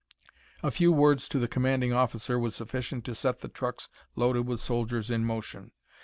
A few words to the commanding officer was sufficient to set the trucks loaded with soldiers in motion.